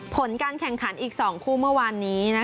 ผลการแข่งขันอีก๒คู่เมื่อวานนี้